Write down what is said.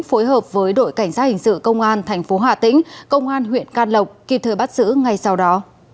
phối hợp với đội cảnh sát hình sự công an tp hà tĩnh công an huyện can lộc kịp thời bắt giữ ngay sau đó